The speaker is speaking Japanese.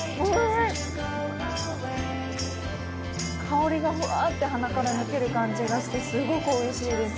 香りがふわって鼻から抜ける感じがしてすごくおいしいです。